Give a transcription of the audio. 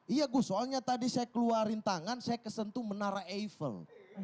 iya gus soalnya tadi saya keluarin tangan saya kesentuh menara eiffel